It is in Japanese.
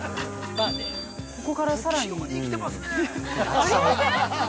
ここから、さらに。